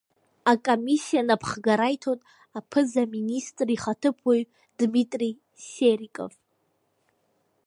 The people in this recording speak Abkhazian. Акомиссиа наԥхгара аиҭоит аԥыза-министр ихаҭыԥуаҩ Дмитри Сериков.